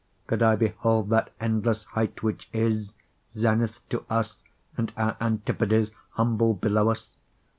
Could I behold that endlesse height which isZenith to us, and our Antipodes, Humbled below us?